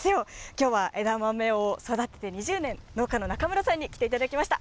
きょうは枝豆を育てて２０年、農家の中村さんに来ていただきました。